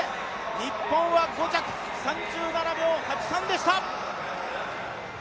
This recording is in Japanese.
日本は５着３７秒８３でした。